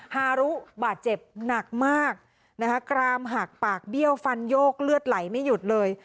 ฮารุบาดเจ็บหนักมากนะคะกรามหักปากเบี้ยวฟันโยกเลือดไหลไม่หยุดเลย